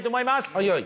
はいはい。